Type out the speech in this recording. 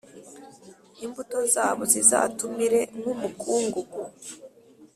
imbuto zabo zizatumuke nk’umukungugu,